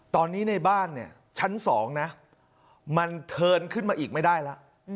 ตอนนี้ในบ้านชั้น๒มันเทินขึ้นมาอีกไม่ได้ละ